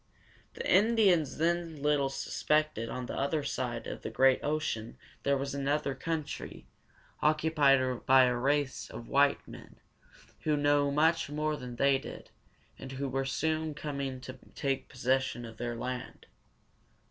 The Indians then little suspected that on the other side of the great ocean there was another country, occupied by a race of white men, who knew much more than they did, and who were soon coming to take possession of their land.